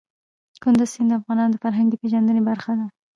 کندز سیند د افغانانو د فرهنګي پیژندنې برخه ده.